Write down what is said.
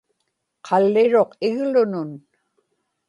qalliruq iglunun